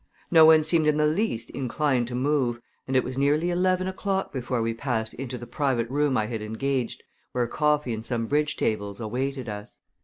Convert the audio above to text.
No one seemed in the least inclined to move and it was nearly eleven o'clock before we passed into the private room I had engaged, where coffee and some bridge tables awaited us.